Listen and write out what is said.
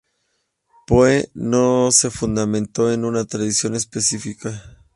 Poe no se fundamentó en una tradición específica.